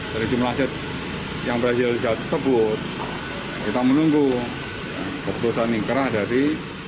dari jumlah aset yang berhasil disita tersebut kita menunggu keputusan yang kerah dari